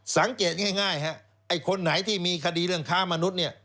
สังเกตง่ายฮะไอ้คนไหนที่มีคดีเรื่องค้ามนุษย์เนี่ย